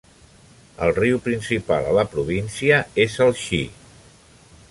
El riu principal a la província és el Chi.